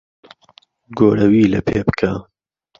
گۆرەوی لەپێ بکە.